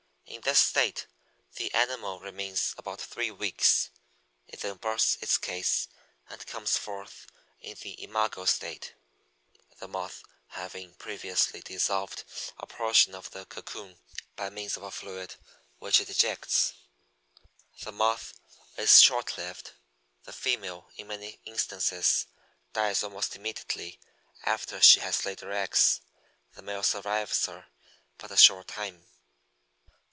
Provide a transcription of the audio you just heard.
In this state the animal remains about three weeks; it then bursts its case and comes forth in the imago state, the moth having previously dissolved a portion of the cocoon by means of a fluid which it ejects. The moth is short lived; the female in many instances dies almost immediately after she has laid her eggs; the male survives her but a short time.